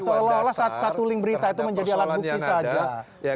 seolah olah satu link berita itu menjadi alat bukti saja